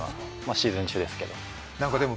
シーズン中ですけれども。